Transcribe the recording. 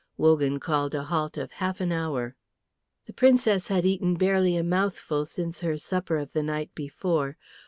Wogan called a halt of half an hour. The Princess had eaten barely a mouthful since her supper of the night before.